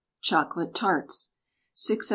CHOCOLATE TARTS. 6 oz.